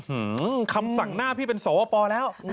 คำสั่งหน้าพี่เป็นสวปแล้ว